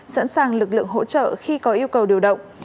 sẵn sàng lực lượng hỗ trợ khi có yêu cầu điều động